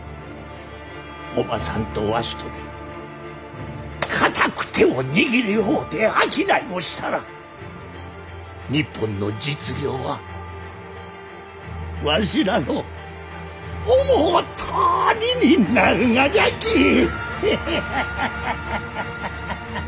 おまさんとわしとで固く手を握り合うて商いをしたら日本の実業はわしらの思うとおりになるがじゃき。ハハハハハハハ。